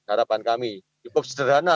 harapan kami cukup sederhana